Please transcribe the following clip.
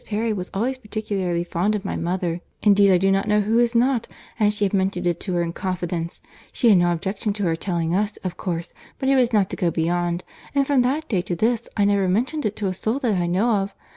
Perry was always particularly fond of my mother—indeed I do not know who is not—and she had mentioned it to her in confidence; she had no objection to her telling us, of course, but it was not to go beyond: and, from that day to this, I never mentioned it to a soul that I know of.